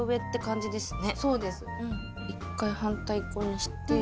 １回反対側にして。